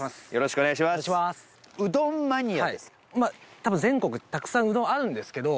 たぶん全国たくさんうどんあるんですけど